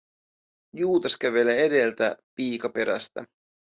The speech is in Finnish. Juutas kävelee edeltä, piika perästä.